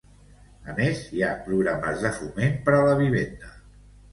A més, hi ha programes de foment per a la vivenda.